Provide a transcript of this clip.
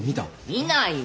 見ないよ。